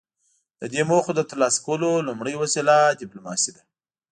د دې موخو د ترلاسه کولو لومړۍ وسیله ډیپلوماسي ده